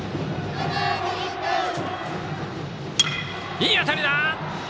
いい当たりだ！